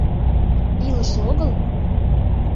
— Илыш огыл?